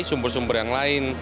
sumber sumber yang lain